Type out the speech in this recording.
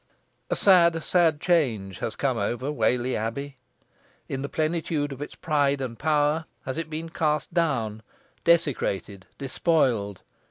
A sad, sad change has come over Whalley Abbey. In the plenitude of its pride and power has it been cast down, desecrated, despoiled.